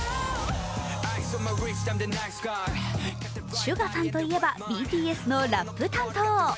ＳＵＧＡさんといえばＢＴＳのラップ担当。